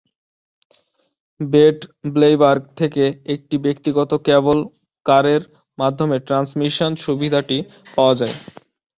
Bed Bleiberg থেকে একটি ব্যক্তিগত ক্যাবল কারের মাধ্যমে ট্রান্সমিশন সুবিধাটি পাওয়া যায়।